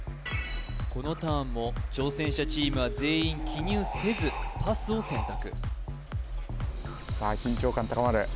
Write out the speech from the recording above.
このターンも挑戦者チームは全員記入せずパスを選択